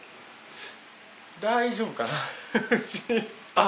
大丈夫かなうち。